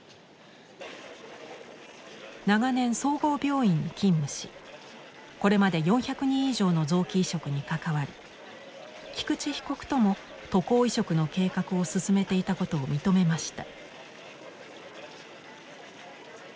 長年総合病院に勤務しこれまで４００人以上の臓器移植に関わり菊池被告とも渡航移植の計画を進めていたことを認めました。